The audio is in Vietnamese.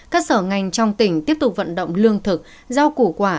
các sở ngành trong tỉnh tiếp tục vận động lương thực giao củ quả